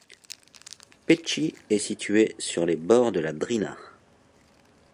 Peći est situé sur les bords de la Drina.